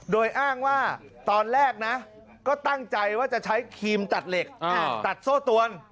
โดยอ้างว่าตอนแรกนะก็ตั้งใจว่าจะใช้ครีมตัดเหล็กตัดโซ่ตวน